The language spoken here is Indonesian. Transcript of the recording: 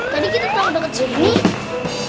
tadi kita tahu dengan jenis